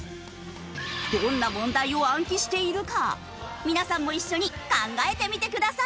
どんな問題を暗記しているか皆さんも一緒に考えてみてください。